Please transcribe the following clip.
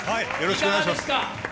いかがですか。